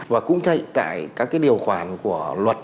và cũng tại các điều khoản của luật